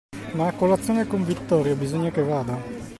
Ma a colazione con Vittorio bisogna che vada!